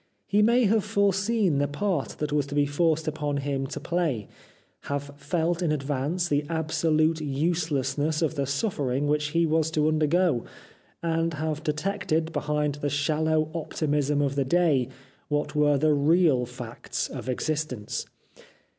He may have foreseen the part that was to be forced upon him to play ; have felt in advance the absolute uselessness of the suffering which he was to undergo ; and have detected behind the shallow optimism of the day what were the real facts of existence.